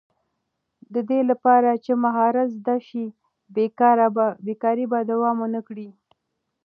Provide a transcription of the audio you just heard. د دې لپاره چې مهارت زده شي، بېکاري به دوام ونه کړي.